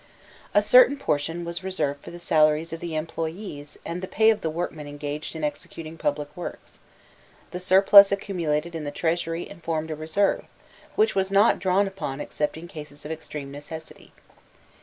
A certain portion was reserved for the salaries of the employes and the pay of the workmen engaged in executing public works: the surplus accumulated in the treasury and formed a reserve, which was not drawn upon except in cases of extreme necessity.